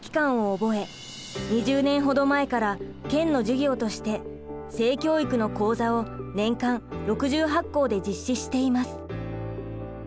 ２０年ほど前から県の事業として性教育の講座を年間６８校で実施しています。